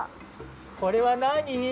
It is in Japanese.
これはなに？